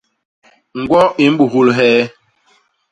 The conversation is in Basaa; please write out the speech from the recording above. Ñgwo i mbuhul hee?